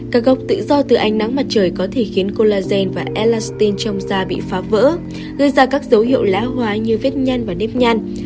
các gốc tự do từ ánh nắng mặt trời có thể khiến colagen và elastin trong da bị phá vỡ gây ra các dấu hiệu lão hóa như vết nhăn và nếp nhăn